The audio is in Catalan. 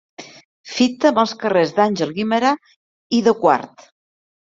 Fita amb els carrers d'Àngel Guimerà i de Quart.